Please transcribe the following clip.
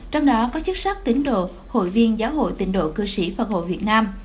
trong đó có chức sắc tính đồ hội viên giáo hội tịnh độ cư sĩ phật hội việt nam